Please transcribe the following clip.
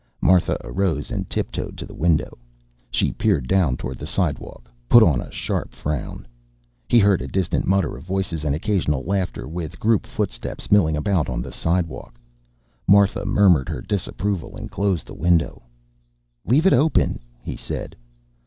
Martha arose and tiptoed to the window. She peered down toward the sidewalk, put on a sharp frown. He heard a distant mutter of voices and occasional laughter, with group footsteps milling about on the sidewalk. Martha murmured her disapproval and closed the window. "Leave it open," he said.